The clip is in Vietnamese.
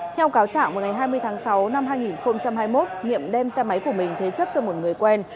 theo cáo trả ngày hai mươi tháng sáu năm hai nghìn hai mươi một nghiệp đem xe máy của mình thế chấp cho một người quen